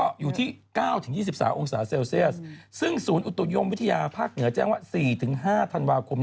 ก็อยู่ที่๙๒๓องศาเซลเซียสซึ่งศูนย์อุตุยมวิทยาภาคเหนือแจ้งว่า๔๕ธันวาคม